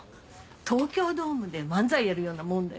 東京ドームで漫才やるようなもんだよ。